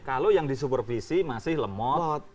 kalau yang disupervisi masih lemot